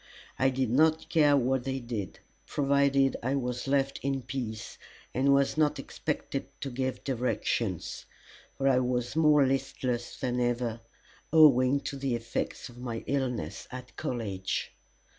I did not care what they did provided I was left in peace and was not expected to give directions; for I was more listless than ever, owing to the effects of my illness at college.